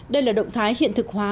đây là động thái hiện thực hóa